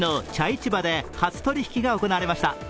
市場で初取引きが行われました。